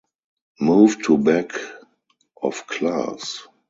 Moved to back of class.